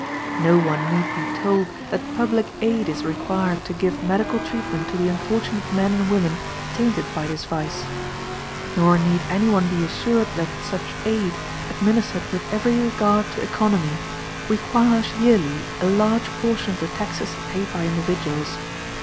No one need be told that public aid is required to give medical treatment to the unfortunate men and women tainted by this vice; nor need any one be assured that such aid, administered with every regard to economy, requires yearly a large portion of the taxes paid by individuals.